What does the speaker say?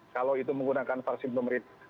kalau itu menggunakan vaksin pemerintah